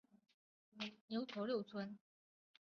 牛驼镇镇政府驻牛驼六村。